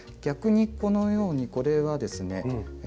逆にこのようにこれはですね